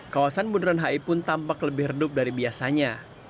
kawasan bundaran hi pun tampak lebih redup dari biasanya